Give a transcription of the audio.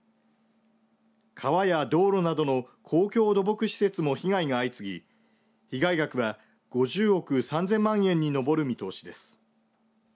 川や道路などの公共土木施設も被害が相次ぎ被害額は５０億３０００万円に上る見通しです。